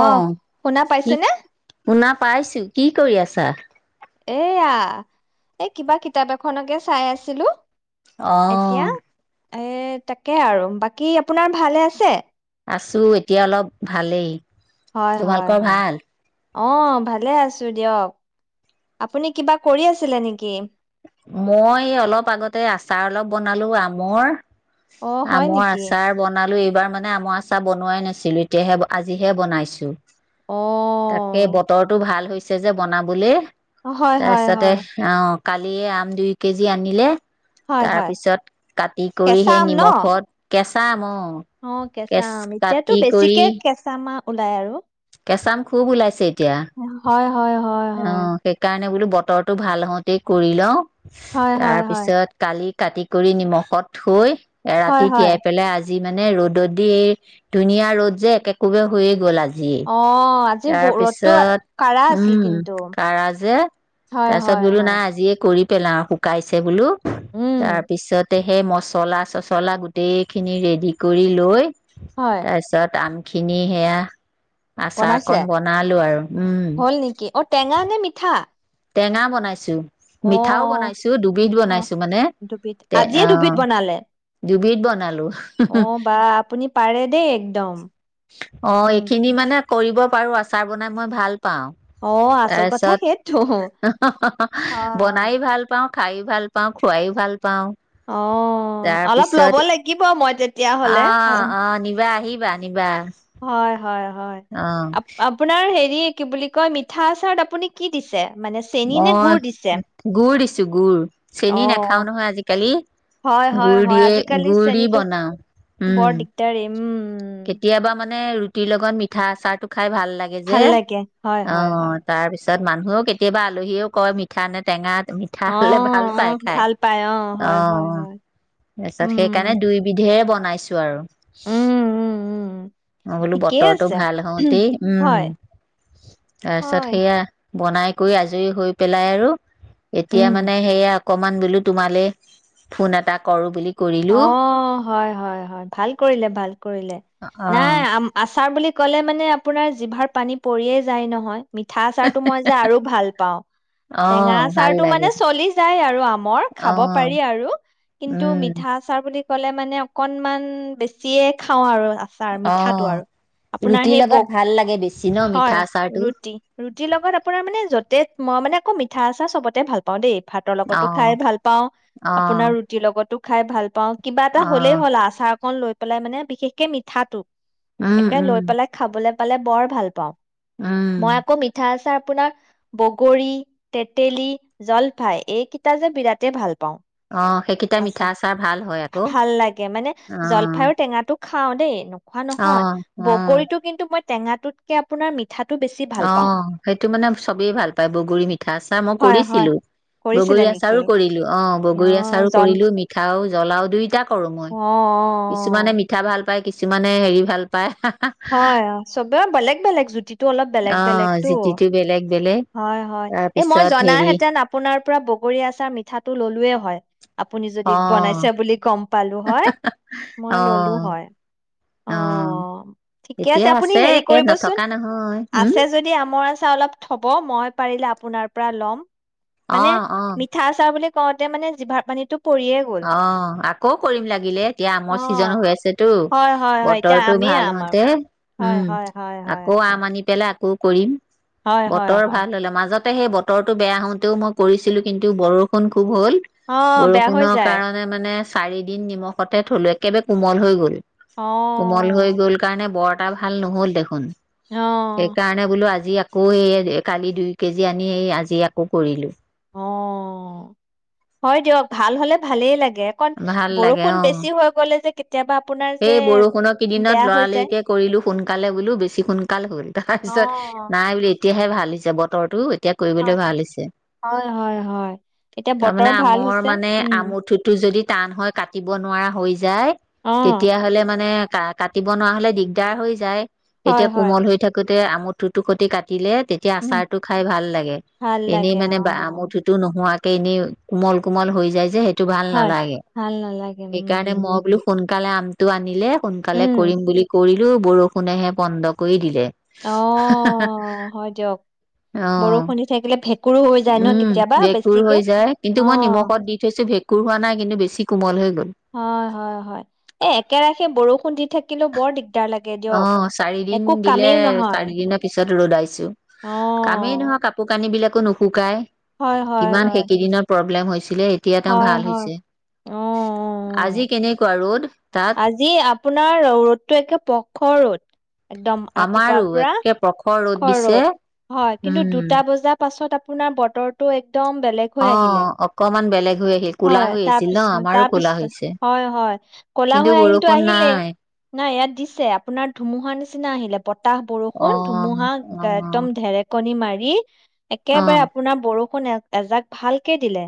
অহ শুনা কি, পাইছেনে শুনা পাইছো, কি কৰি আছে? ছাহ এইয়া এই কিবা কিতাপ এখনকে চাই আছিলো। অহ। এই তাকে আৰু বাকী আপোনাৰ ভালে আছে? আছোঁ এতিয়া অলপ ভালেই। হয় হয় তোমালোকৰ হয় ভাল? অ' ভালে আছো দিয়ক। আপুনি কিবা কৰি আছিলে নেকি? মই অলপ আগতে আচাৰ অলপ বনালো আমৰ। অ হয় আমৰ নেকি আচাৰ বনাব এইবাৰ মানে আমাৰ আচাৰ বনোৱাই নাছিলো এতিয়াহে আজিহে বনাইছো। অ তাকে বতৰটো ভাল হৈছে। পিছে যে বনাবলে হয় হয় তাৰপিছতে হয় অহ কালি আম দুই কেজি আনিলে হয় তাৰ হয় পিছত কাটি কৰি কেঁচা সেই আম ন নিমখত কেচ [inaudible] অ' কেঁচা আম এতিয়াতো কাটি কৰি বেছিকে কেঁচামা ওলায় আৰু কেঁচা আম খুব ওলাইছিল। হয় হয় হয় হয়। সেইকাৰণে বোলো বতৰটো ভাল হওঁতেই কৰি লওঁ। হয় হয় তাৰ হয় পিছত কালি কাটি কৰি নিমখত থৈ। হয় ৰাতি হয় তিয়াই পেলাই আজ আজি মানে ৰ'দত দি এই ধুনীয়া ৰ'দ যে একে একোবে হৈয়ে গ'ল আজি। অ আজিৰ ব তাৰ ৰ'দটো পিছত কাঢ়া আছিল উম কিন্তু কাৰাজ হয় তাৰপিছত হয় বোলো হয় নাই আজিয়ে কৰিব পেলাওঁ শুকাইছে বোলো উম তাৰ পিছত তা সেই মচলা চচলা গোটেইখিনি ৰেডি কৰি লৈ। হয় তাৰপিছত আমি খিন সেয়া বনাইছে আচাৰকণ বনালো আৰু হ'ল নেকি অ টেঙা উম। নে মিঠা? টেঙা বনাইছো। অ মিঠাও বনাইছো দুবিধ অ অ বনাইছো মানে দুবিধ তে আজিয়ে আহ দুবিধ বনালে দুবিধ বনালো। অ বা আপুনি পাৰে দে একদম। অ' উম এইখিনি মানে কৰিব পাৰো আচাৰ বনাই মই ভাল পাওঁ অ আচল কথা সেইটো তাৰপিছত হা, হা, হা হয় বনাই ভাল পাওঁ। খাই ভাল পাওঁ খোৱাই ভাল পাওঁ অ', অলপ ল'ব তাৰপিছত লাগিব মই তেতিয়া হলে আহ অ নিবা আহিবা নিবা। হয়, হয়। হয় অ আ আপোনাৰ হেৰি কি বুলি কয় মিঠা আচাৰত আপুনি কি দিছে। মানে চেনি নে গুৰ দিছে মই গুৰ দিছো গুৰ অ চেনি অ নাখাও নহয় আজিকালি হয়, হয়, গুৰ হয়। দিয়ে আজিকালি গুৰ দি চেনীটো বনাও বৰ উ'ম দিগদাৰী। উ'ম কেতিয়াবা মাত হে ৰুটিৰ লগত মিঠা আচাৰটো -খাই ভাল লাগে যে ভাল অ', লাগে। হয়, হয়, হয়। তাৰপিছত তাৰপছত মানুহো কেতিয়াবা আলহীও কয় মিঠা নে টেঙা মিঠা অ', হলে ভাল পাই অ', খাই ভাল পায়। অ হয়, হয়, হয়। তাৰপিছত সেইকাৰণে উম, দুইবিধেৰে বনাই পাইছো আৰু উম, উম, উম। মই বোলো ঠিকেই বতৰটো আছে। ভাল হওঁতেই উ'ম হয়, তাৰপিছত হয়। সেইয়া বনাই কৰি আজৰি হৈ পেলাই আৰু এতিয়া উম। মানে সেয়া অকমান বোলো তোমালে ফোন এটা কৰো বুলি কৰিলো অ', হয়, হয়, হয় ভাল কৰিলে, ভাল কৰিলে। অ নাই আ আচাৰ বুলি ক'লে মানে আপোনাৰ জিভাৰ পানী পৰিয়ে যায় নহয়। মিঠা আচাৰতটো মই যে আৰু ভাল পাওঁ অ টেঙা ভাল আচাৰতটো লাগে মানে চলি যায় আৰু আমৰ অ খাব পাৰি আৰু কিন্তু উম আচাৰ বুলি ক'লে মানে অকনমান বেছিয়ে খাওঁ আৰু আচাৰ অ মিঠাটো আৰু আপোনাৰ ৰুটিৰ সেই লগত বগ ভাল লাগে বেছি ন মিঠা হয় আচাৰটো ৰুটি ৰুটিৰ লগত আপোনাৰ মানে যতে মই মানে আকৌ মিঠ মিঠা আচাৰ চবতে ভাল পাওঁ দেই ভাতৰ অ লগতো খাই ভাল পাওঁ অ আপোনাৰ ৰুটিৰ লগত খাই ভাল পাওঁ। কিবা এটা অ হ'লেই হ'ল আচাৰ লৈ পেলাই মানে বিশেষকে মিঠাটো এ উম লৈ উম পেলাই খাবলে পালে বৰ ভাল পাওঁ। মই উম, আকৌ মিঠা আচাৰ আপোনাৰ বগৰী, তেতেলী, জলফাই এইকেইটা যে বিৰাটেই ভাল পাওঁ। অ' সেইকেইটা আচ্ছা মিঠা আচাৰ ভাল হয় আকৌ। ভাল অ'। খাওঁদে। নোখোৱা নহয়, অ', অ', বগৰীতো কিন্তু মই টেঙাটোতকে আপোনাৰ মিঠাটো বেছি ভাল পাওঁ। অ' সেইটো মানে চবেই ভাল পায় বগৰী মিঠা আচাৰ মই হয় হয়। কৰিছিলো, কৰিছিলে বগৰী নেকি? আচাৰো কৰিলো অ' বগৰী অ' আচাৰো। জন কৰিলো মিঠা। আৰু জ্বলাও দুইটা কৰোঁ অ' অ' অ'। পাই, কিছুমানে হেৰি ভাল পায়। হয় চব। বৰ বেলেগ বেলেগ জুতি। অ' জুটিটি বেলেগ বেলেগ। হয়, হয়, এ মই তাৰপিছত হেৰি জানাহেতেন আপোনাৰ পৰা বগৰী আচাৰ মিঠাটো লৈ [unintelligible] আপুনি যদি অ', বনাইছে বুলি গম পালো হয় মই ল'লো অ', হয়, অ' ঠিকে আছে এতিয়া আপুনি হেৰি একে কৰিবচোন, নথকা নহয় উম, আছে যদি আমৰ আচাৰ অলপ। অ' মই পাৰিলে আপোনাৰ পৰা ল'ম। মানে, অ', অ', মিঠা আচাৰ বুলি- কওঁতে মানে জিভাৰ পানী তো অ' আকৌ কৰিম লাগিলে এতিয়া আমৰ ছিজন অ' হৈ আছেতো হয় হয় হয় এতিয়া বতৰটো আমেই ভাল আম আৰু হওঁতে হয় উম, হয় হয় হয় আকৌ হয় আম আনি পেলাই আকৌ কৰিম। হয় হয় বতৰ হয় ভাল হলে মাজত। সেই বতৰটো বেয়া হওঁতেও মই কৰিছিলো কিন্তু বৰষুণ। খুব হ'ল, অ' বেয়া হৈ বৰষুণক যায় কাৰণে মানে চাৰি দিন নিমখতে থ'লো একেবাৰে কোমল হৈ গ'ল। অ' কোমল হৈ গ'ল কাৰণে বৰ এটা ভাল নহ'ল দেখোন। অ' সেইকাৰণে বোলো আজি আজি আকৌ, এই কালি দুই কেজি আনি এই আজি আকৌ কৰিলো। অ' হয় দিয়ক ভাল হ'লে ভালেই লাগে। একন ভাল লাগে বৰষুণ অ বেছি হৈ গ'লে যে কেতিয়াবা আপোনাৰ যে এই বৰষুণৰ বেয়া কেইদিনত হৈ যায় লৰালিৰিকে কৰিলো সোনকালে বোলো বেছি সোনকাল হ'ল তাৰপিছত অ' নাই বো তেতিয়াহে ভাল হৈছে বতৰটো। এতিয়া হয় কৰিবলৈ ভাল হৈছে হয়, হয়, হয়। এতিয়া বতৰ তাৰমানানে ভাল আমৰ হৈছে। মানে উম, আম উঠুটো যদি টান হয় কাটিব নোৱাৰা হৈ যায়। অ', তেতিয়া হলে মানে ক কাটিব নোৱাৰা হলে দিগদাৰ হৈ যায়। হয়, এতিয়া হয়। কোমল হৈ থাকো তে আমুঠটো তটো সতে কাটিলে তেতিয়া উম, আচাৰটো খাই ভাল লাগে ভাল এনেই লাগে মানে বা অ', আমুঠটো নোহোৱ নে কোমল কোমল হৈ যায় যে সেই টো ভাল হয়। নালাগে ভাল নালাগে, সেইকাৰণে মই উম, বোলো সোনকালে আমটো আনিলে সোনকালে উম, কৰিম বুলি কৰি বৰষুণেহে পন্ধ কৰি দিলে অ' হয় দিয়ক। বৰষুণ দি থাকিলে ভেঁকুৰো হৈ যায় ন উম কেতিয়াবা ভেঁকুৰ বেছিকে। হৈ যায় অ', কিন্তু মই নিমখত দি থৈছো ভেঁকুৰ হোৱা নাই কিন্তু বেছি কোমল হৈ গ'ল। হয় হয় হয় এ একেৰাখে বৰষুণ দি থাকিলেও বৰ দিগদাৰ লাগে অ দিয়ক চাৰিদিন একো দিলে কামেই নহয়। চাৰিদিনৰ [unintelligible] কামেই অ', নহয় কাপোৰ কানি বিলাক একো নুশুকাই। হয়, হয়, কিমান হয়, সেইকেইদিননৰ প প্ৰব্লেম হৈছে দে এতিয়া তেওঁ হয়, ভাল হয়, হৈছে অ', অ', অ'। আজি কেনেকুৱা ৰ'দ? তাত আজি আপোনাৰ ৰ ৰ'দতটো একে পখৰ ৰ'দ। একদম ৰাতিপুৱা আমাৰো পুৰা একে প্ৰখৰ খৰ দিছে ৰ'দ হয় কিন্তু উম দুটা বজাৰ পাছত আ আপোনাৰ বতৰটো এক অ' অকমান বেলেগ হৈ আহিল ক'লা হয়, হৈ আহিছিল ন তাৰপিছত আমাৰো কলা তাৰপিছত হৈছে। হয়, হয়, ক'লা কিন্তু হৈ আহিলতো বৰষুণ আহিলেই নাই নাই ইয়াত দিছে আপোনাৰ ধুমুহা নিচিনা আহিলে বতাহ বৰষুণ ধুমুহা অ', একদম ধেৰেকনি। নি মাৰি অ', একেবাৰে অ', আপোনাৰ বৰষুণ। শুনে এজাক ভালকে দিলে।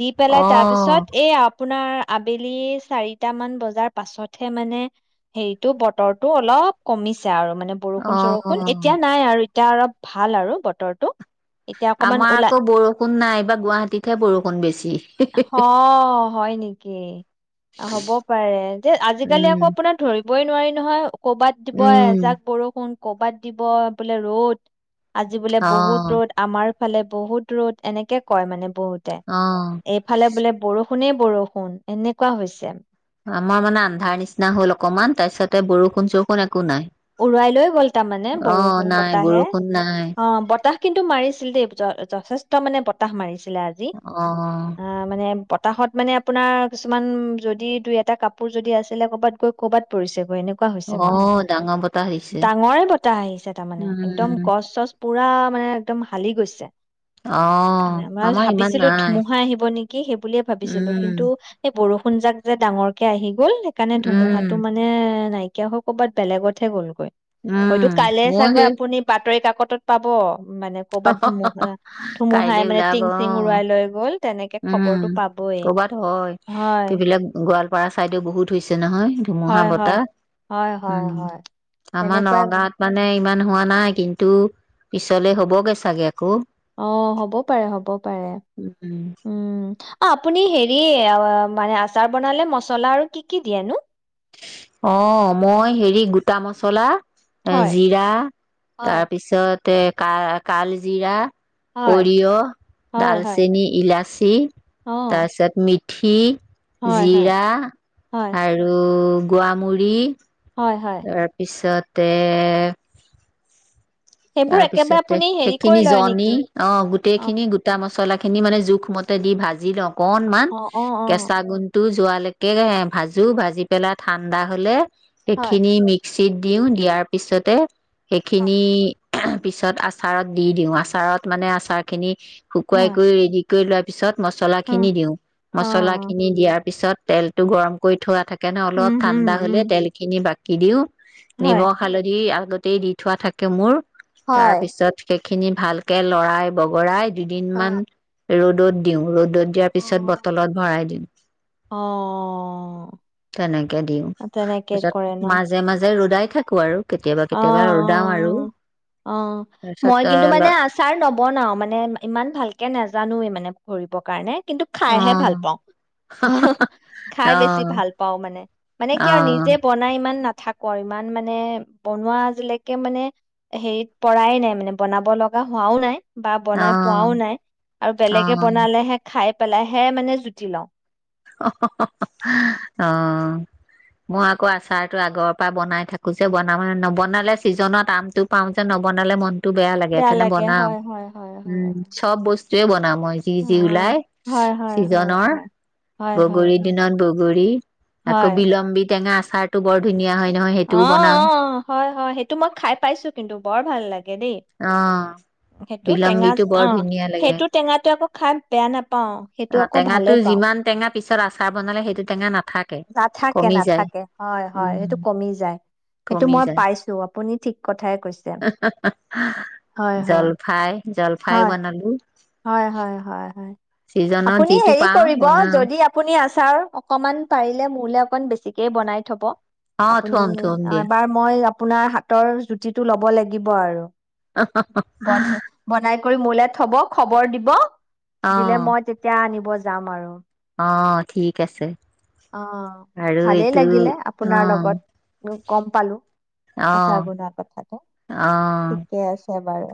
দি পেলাই তাৰ পিছত অ', এই আ আপোনাৰ আবেলি চাৰি টা মান বজাৰ পাছতহে মানে হেৰিটো বতৰটো অলপ কমিছে আৰু মানে বৰষুণ চৰষুণ অ', এতিয়া নাই আৰু এতিয়া অলপ ভাল আৰু বতৰটো এতিয়া অকমান আমাৰ ওলাই আকৌ বৰষুণ নাই বা গুৱাহাটীতহে বৰষুণ বেছি অ' হয় নেকি হ'ব পাৰে যে আজিকালি উম, আকৌ আপোনাৰ ধৰি বই নোৱাৰি নহয় ক'ৰবাত দিব উম, এজাক বৰষুণ কৰবাত দিব বোলে ৰ'দ আজি বোলে বহুত অ', ৰ'দ আমাৰ ফালে বহুত দূৰত এনেকে কয় মানে বহুতে অ', এইফালে বোলে বৰষুণ শুনে বৰষুণ এনেকুৱা হৈছে [unintelligible] আমাৰ মানে আন্ধাৰ নিচিনা হ'ল অকনমান তাৰ পিছতে বৰষুণ চৰষুণ একো নাই। উৰুৱাই লৈ গ'ল তাৰমানে অ', বৰষুণ নাই বতাহে বৰষুণ নাই অ বতাহ কিন্তু মাৰিছিল দেই যথেষ্ট মানে বতাহ মাৰিছে আজি অ', মানে বতাহত মানে আপোনাৰ কিছুমান যদি দুই এটা কাপোৰ যদি আছিলে কৰ'বাত গৈ কৰ'বাত পৰিছেগৈ এনে ক হৈছে মানে অ', ডাঙৰ বতাহ দিছে। ডাঙৰে বতাহ আহিছে তাৰমানে একদম উম, গছ চছ পুৰা মানে একদম হালি গৈছে আহ মই আমাৰ ইমান ভাবিছিলো নাই ধুমুহা আহিব নেকি সেই বুলিয়ে ভাবিছিলো উম, কিন্তু এই বৰষুন কোন যাক যে ডাঙৰকে আহি গ'ল সেইকাৰণে উম, ধুমুহাটো মানে নাই কিয় কব বেলেগতহে গ'লগৈ উম, হয়টো কাইলে মোৰ চাগ সেই আপুনি বাতৰি কাকত কটত পাব মানে ক'ৰবাত ধুমুহা ধুমুহাই কাইলৈ মানে ওলাব টিং চিং অ'। উৰুৱাই লৈ গ'ল তেনেকে খবৰটো উম পাবই কৰ'বাত হয় হয় সেইবিলাক গোৱালপাৰা চাইডে বহুত হৈছে নহয় ধুমুহা হয় হয় বতাহ হয় উম হয় হয় আমাৰ তেনেকুৱাই গ- নগাঁৱত মানে ইমান হোৱা নাই কিন্তু পিছলে হ'বগে চাগে আকৌ। অ' হ'ব পাৰে হ'ব পাৰে উম উম। অ' আপুনি হেৰি মানে আচাৰ বনালে মছলা আৰু কি কি দিয়েনো? অ' মই হেৰি গোটা মচলা। এ হয় জিৰা হয় তাৰপিছত তে ক কাল জিৰা হয় সৰিয়হ হয় হয় দালচেনি ইলাচি অ তাৰপিছত মিট [unintelligible] হয় হয় জিৰা হয় আৰু গোৱামূৰি হয় হয় তাৰপিছত তে সেইবোৰ তাৰ একেবাৰে পিছতে আপুনি হেৰি কৰি সেইখিনি লয় জনি নেকি অ' গোটেই খিনি গোটা মচলা খিনি খিনি মানে জোখমতে দি ভাজি লওঁ। কনমান অ অ অ কেঁচা গুন্টো যোৱালৈকে ভাজো ভাজি পেলাই ঠাণ্ডা হ'লে হয় সেইখিনি মিক্স মিক্সিত দিওঁ দিয়াৰ পিছতে হয় সেইখিনি পিছত আচাৰত দি দিওঁ আচাৰত মানে আচাৰ খিনি শুকুৱাই হয় কৰি যি কৰিল পিছত মছলা উম খিনি দিও অ মছলা খিনি দিয়াৰ পিছত তেলতটো গৰম কৰি থোৱা থাকে সেইকাৰণে উম অলপ উম ঠাণ্ডা উম হ'লে তেল খিনি বাক কি দিও হয় নিমখ হালধি আৰু আগতেই দি থোৱা থাকে মোৰ তাৰ হয় পিছত স খিনি ভালকৈ লৰাই বগৰাই দুদিন অ মান ৰ'দত দিওঁ ৰ'দ ৰ'দত দিয়াৰ অ পিছত বটলত ভৰাই দিম। তেনেকে দিওঁ অ তেনেকে কৰে ন তাৰপিছত মাজে মাজে ৰুদাই। থাকো আৰু কেতিয়াবা অ কেতিয়াবা ৰদাওঁ আৰু অ অ' তাৰপিছত মই কিন্তু মানে আচাৰ নবনাও মানে ইমান ভালকে নাজানোৱে মানে কৰিব কাৰণে কিন্তু অ খাইহে ভাল অ পাওঁ খাই অ বেছি ভাল পাওঁ মানে মানে কি আৰু নিজে অ বনাই ইমান না থাকো আৰু ইমান মানে বনোৱা আজিলৈকে মানে হেৰিত পৰাই নাই মানে বনাব লগা হোৱাও নাই বা বনাই পোৱাও নাই আৰু অ বেলেগে বনালেহে খাই পেলাইহে মানে জুতি লওঁ অ' মই আকৌ আচাৰতো আগৰ পৰা বনাই থাকো যে বনাম নবনালে ছিজনত আমটো পাও যে নবনালে মন টো বেয়া লাগে সেইকাৰণে বনাাম হয় হয় হয় হয়। উম চব বস্তুৱয়ে বনাওঁ মই যি হয় যি অ' ওলাই হয় হয় হয় চিজনৰ হয় হয় বগৰীৰ হয় দিনত বগৰী আকৌ হয়। বিলম্বি টেঙা আচাৰ টো বৰ ধুনীয়া হয় নহয় সেইটোও অ' বনাও অ' হয় হয় সেইটো মই খাই পাইছো কিন্তু বৰ ভাল লাগে দেই অ সেইটো টেঙা বিলম্বিটো বৰ অ ধুনীয়া লাগে সেইটো টেঙাটোে আকৌ খাই বেয়া নাপাও সেইটো অ আকৌ টেঙাটো ভালেই পাওঁ। যিমান টেঙা পিছত আচাৰ বনালে সেইটো টেঙা নাথাকে নাথাকে কমি যায় নাথাকে হয় হয় উম। সেইটো কমি যায় সেইটো কমি মই যায় পাইছো আপুনি ঠিক কথাই কৈছে হয় হয় জলফাই জলফাই হয়। বনালো হয় হয় হয় হয় ছিজনত আপুনি যিটো হেৰি পাওঁ কৰিব বনাও যদি আপুনি আচাৰ অকমান পাৰিলে মোলে অকন বেছিক বনাই থব। অ আপুনি থম থম দিয়া এবাৰ মই আপোনাৰ হাতৰ জুতিটো ল'ব লাগিব। লাগিব আৰু বন্ধ বনাই মোলৈ থব। খবৰ দিব। অ দিলে মই তেতিয়া আনিব য যাম আৰু অ' ঠিক আছে। অ' আৰু ভালেই এইটো লাগিলে অ আপোনাৰ লগত গম পালো অ আচাৰ বনোৱা কথাতে অ ঠিকে আছে। হব বাৰু।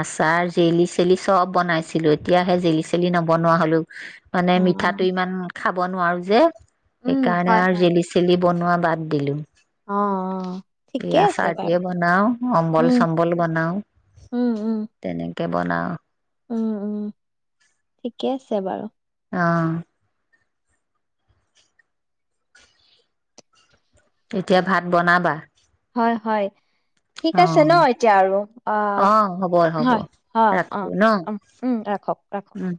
আচাৰ জেলি চেলি চব বনাইছিলো এতিয়াহে জেলি চেলি নবনোৱা হলো। মানে অ'। মিঠাটো ইমান খাব নোৱাৰো যে। উম, সেইকাৰণে হয়, আৰু হয়। জেলি চেলি বনোৱা বাদ দিলোঁ। অ', অ'। এই ঠিকে আছে বাৰু। আচাৰটোৱে বনাও অম্বল উম, চম্বল বনাও উম, উম, তেনেকে। তাকে বনাওঁ। উম, উম, ঠিকে আছে বাৰু। অ'। এতিয়া ভাত বনাবা। হয়, হয়। ঠিক অ আছে ন' এতিয়া আৰু অ', হ'ব হ'ব হয়, অ', ৰাখো অ', ন উম, ৰাখক, ৰাখক। উম